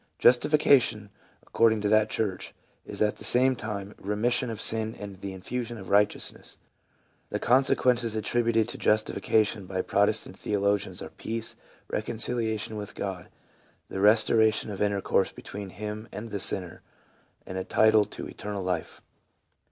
Justification, according to that church, is at the same time remission of sin and the infusion of righteousness. The consequences attributed to justification by Protestant theolo gians are peace, reconciliation with God, the restoration of intercourse between Him and the sinner, and a title to eternal life.